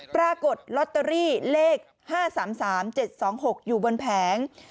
ปรากฏลอตเตอรี่เลข๕๓๓๗๒๖อยู่บนแผง